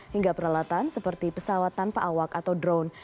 hingga peralatan seperti pesawat tanpa awak atau drone